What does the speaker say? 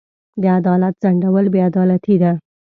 د عدالت ځنډول بې عدالتي ده.